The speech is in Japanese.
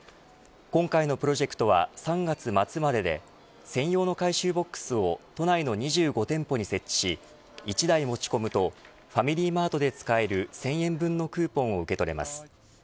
今回のプロジェクトは３月末までで専用の回収ボックスを都内の２５店舗に設置し１台持ち込むとファミリーマートで使える１０００円分のクーポンを受け取れます。